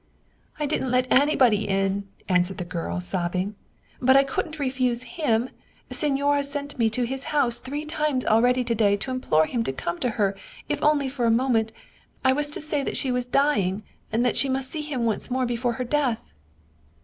" I didn't let anybody in," answered the girl, sobbing. " But I couldn't refuse him. Signora sent me to his house three times already to day to implore him to come to her, if only for a moment. I was to say that she was dying and that she must see him once more before her death."